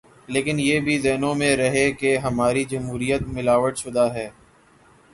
لیکن یہ بھی ذہنوں میں رہے کہ ہماری جمہوریت ملاوٹ شدہ ہے۔